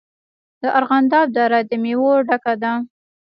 د ارغنداب دره د میوو ډکه ده.